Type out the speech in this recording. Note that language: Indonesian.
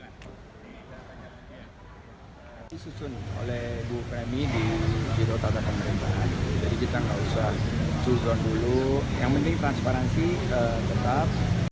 yang penting transparansi tetap